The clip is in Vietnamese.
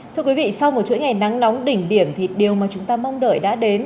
thưa quý vị sau một chuỗi ngày nắng nóng đỉnh điểm thì điều mà chúng ta mong đợi đã đến